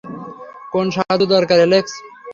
কোন সাহায্য দরকার, অ্যালেক্স?